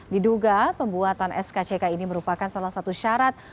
diduga pembuatan skck ini merupakan salah satu syarat